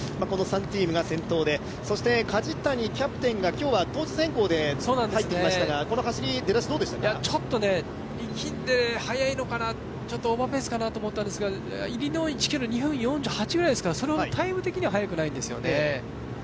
３チームが先頭で、梶谷キャプテンが当日変更で入ってきましたがちょっと力んで速いのかな、ちょっとオーバーペースかなと思ったんですけど、入りの１ｋｍ、２分４８ぐらいですから、タイム的には早くないんですよね。